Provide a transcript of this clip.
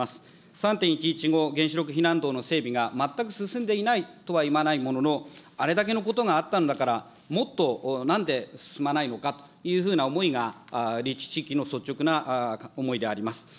３・１１後、原子力避難道の整備が全く進んでいないとは言わないものの、あれだけのことがあったんだから、もっとなんで進まないのかというふうな思いが立地地域の率直な思いであります。